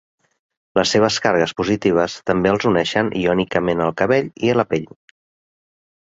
Les seves càrregues positives també els uneixen iònicament al cabell i la pell.